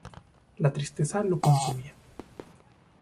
La tristeza lo consumía.